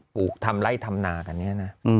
ลูกทำไล่ทำนากันเนี่ยนะ